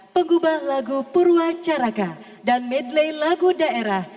pengubah lagu purwacaraka dan medley lagu daerah